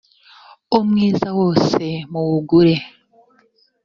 umwiza wose muwugure .